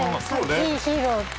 いいヒーローって。